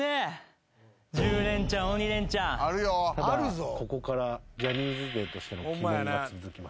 ただここからジャニーズ勢としての鬼門が続きます。